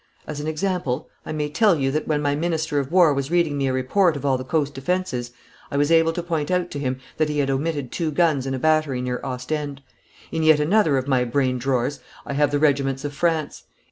As an example, I may tell you that when my minister of war was reading me a report of all the coast defences, I was able to point out to him that he had omitted two guns in a battery near Ostend. In yet another of my brain drawers I have the regiments of France.